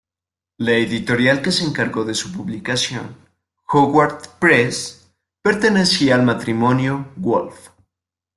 La editorial que se encargó de su publicación, Hogarth Press, pertenecía al matrimonio Woolf.